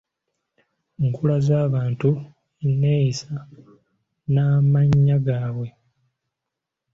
Enkula z’abantu, enneeyisa n’amannya gaabwe.